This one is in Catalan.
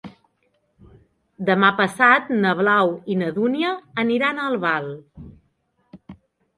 Demà passat na Blau i na Dúnia aniran a Albal.